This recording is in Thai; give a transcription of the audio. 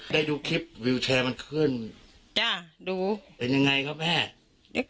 ได้ดูคลิปวิวแชร์มันขึ้นจ้ะดูเป็นยังไงครับแม่